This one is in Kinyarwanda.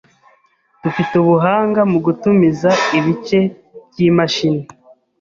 Dufite ubuhanga mu gutumiza ibice byimashini.